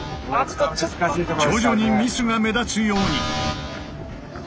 徐々にミスが目立つように。